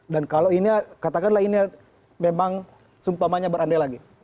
dan kalau ini katakanlah ini memang sumpahnya berandai lagi